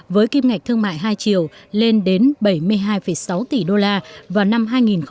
với kim ngạch thương mại hai triệu lên đến bảy mươi hai sáu tỷ usd vào năm hai nghìn một mươi bảy